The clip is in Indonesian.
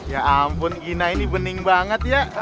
ya ampun gina ini bening banget ya